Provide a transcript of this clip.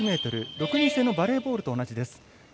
６人制のバレーボールと同じです。